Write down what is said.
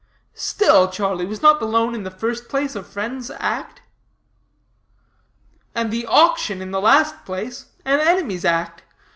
"Still, Charlie, was not the loan in the first place a friend's act?" "And the auction in the last place an enemy's act.